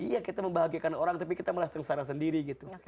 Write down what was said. iya kita membahagiakan orang tapi kita malah sengsara sendiri gitu